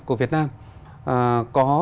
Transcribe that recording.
của việt nam có